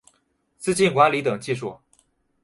资金管理等技术